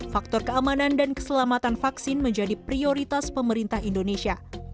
faktor keamanan dan keselamatan vaksin menjadi prioritas pemerintah indonesia